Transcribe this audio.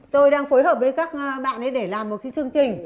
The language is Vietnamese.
tôi đang phối hợp với các bạn ấy để làm một cái chương trình